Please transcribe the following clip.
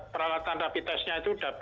peralatan rapid testnya itu